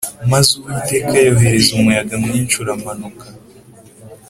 Maze uwiteka yohereza umuyaga mwinshi uramanuka